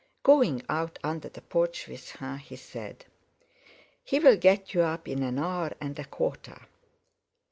Going out under the porch with her, he said: "He'll get you up in an hour and a quarter.